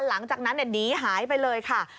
หลังจากนั้นหนีหายไปเลยค่ะ